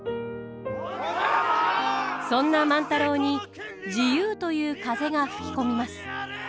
そんな万太郎に自由という風が吹き込みます。